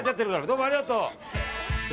どうもありがとう！